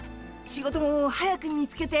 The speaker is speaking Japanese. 仕事も早く見つけて。